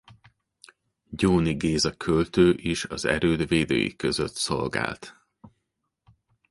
Gyóni Géza költő is az erőd védői között szolgált.